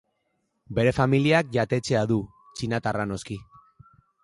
Bere familiak jatetxea du, txinatarra noski.